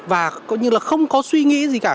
và không có suy nghĩ gì cả